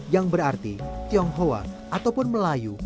yang berarti tionghoa ataupun melayu